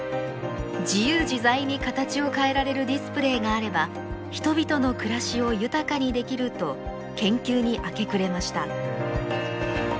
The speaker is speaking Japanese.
自由自在に形を変えられるディスプレーがあれば人々の暮らしを豊かにできると研究に明け暮れました。